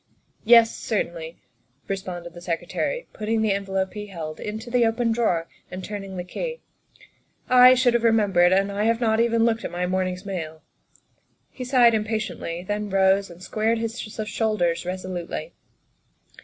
" Yes, certainly," responded the Secretary, putting the envelope he held into the open drawer and turning the key, " I should have remembered, and I have not even looked at my morning's mail." He sighed impatiently, then rose and squared his shoulders resolutely.